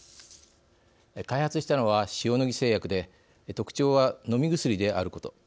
開発したのは、塩野義製薬で特徴は、飲み薬であること。